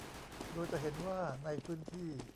โดยจะเห็นว่าในพื้นที่